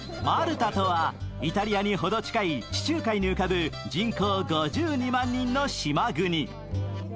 マルタとはイタリアにほど近い地中海に浮かぶ人口５２万人の島国。